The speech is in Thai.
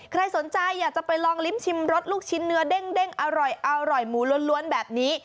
ใครสนใจอยากจะไปลองลิ้มชิมรสลูกชิ้นเนื้อเด้งอร่อยหมูล้วนแบบนี้